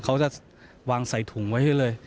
เขาจะวางใส่ถุงไว้ให้เลย